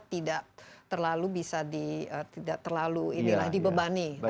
tidak terlalu bisa dibebani